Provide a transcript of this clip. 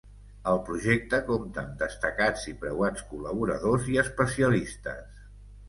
El projecte compta amb destacats i preuats col·laboradors i especialistes.